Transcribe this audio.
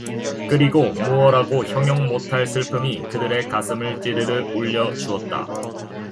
그리고 무어라고 형용 못 할 슬픔이 그들의 가슴을 찌르르 울려 주었다.